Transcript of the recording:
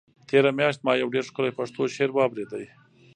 تېره میاشت ما یو ډېر ښکلی پښتو شعر واورېد.